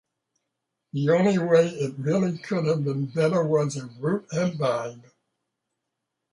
The only way it really could have been better was if Root had died.